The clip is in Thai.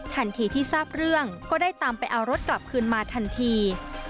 ทันทีที่ทราบเรื่องก็ได้ตามไปเอารถกลับคืนมาทันที